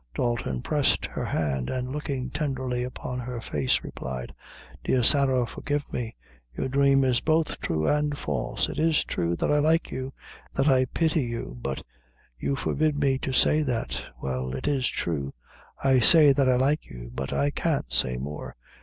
Dalton pressed her hand, and looking tenderly upon her face, replied: "Dear Sarah, forgive me; your dhrame is both thrue and false. It is true that I like you that I pity you; but you forbid me to say that well it is true, I say, that I like you; but I can't say more.